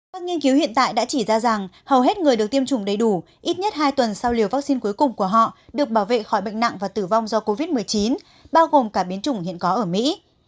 các nghiên cứu hiện tại đã chỉ ra rằng hầu hết người được tiêm chủng đầy đủ ít nhất hai tuần sau liều vaccine cuối cùng của họ được bảo vệ khỏi bệnh nặng và tử vong do covid một mươi chín bao gồm cả biến chủng hiện có ở mỹ